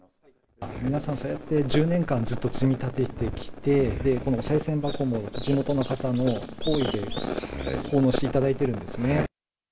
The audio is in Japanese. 皆さん、そうやって１０年間、ずっと積み立ててきて、さい銭箱も地元の方の厚意で奉納させていただいてるんですね。